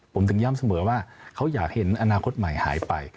ผมถึงย้ำเสมอว่าเขาอยากเห็นอนาคตใหม่หายไป